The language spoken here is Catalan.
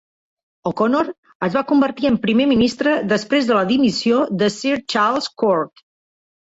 O'Connor es va convertir en primer ministre després de la dimissió de Sir Charles Court.